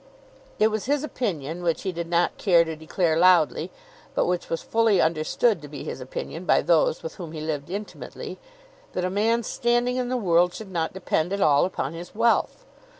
It was his opinion, which he did not care to declare loudly, but which was fully understood to be his opinion by those with whom he lived intimately, that a man's standing in the world should not depend at all upon his wealth.